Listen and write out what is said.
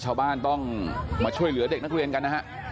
ชาวบ้านต้องมาช่วยเหลือเด็กนักเรียนกันนะฮะ